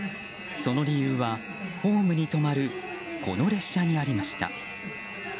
その理由は、ホームに止まるこの列車にありました。